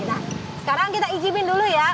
nah sekarang kita izinin dulu ya